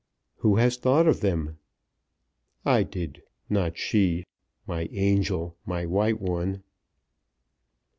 "Who has thought of them?" "I did. Not she, my angel; my white one!"